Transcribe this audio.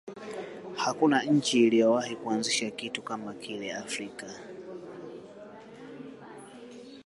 hakuna nchi iliyowahi kuanzisha kitu kama kile afrika